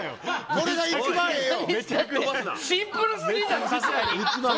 これが一番ええよ。